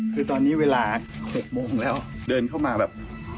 คือตอนนี้เวลา๖โมงแล้วเดินเข้ามาแบบ